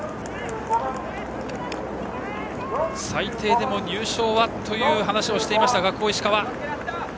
最低でも入賞はという話をしていました、学法石川。